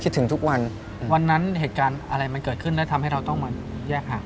ถึงทุกวันวันนั้นเหตุการณ์อะไรมันเกิดขึ้นแล้วทำให้เราต้องมาแยกห่าง